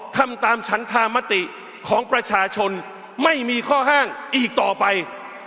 ทำตามฉันธามติของประชาชนไม่มีข้อห้างอีกต่อไป